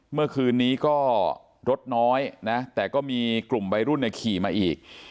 เมื่อคืนนี้ก็รถน้อยนะแต่ก็มีกลุ่มวัยรุ่นขี่มาอีก